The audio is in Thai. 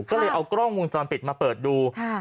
ก็เลยเอากล้องมุมตำปิดมาเปิดดูค่ะ